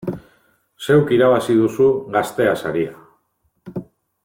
Zeuk irabazi duzu Gaztea saria!